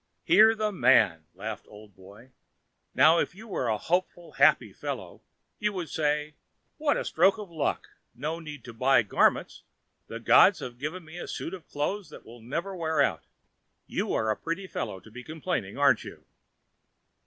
"Hear the man!" laughed Old Boy. "Now, if you were a hopeful, happy fellow, you would say, 'What a stroke of luck! No need to buy garments. The gods have given me a suit of clothes that will never wear out.' You are a pretty fellow to be complaining, aren't you?"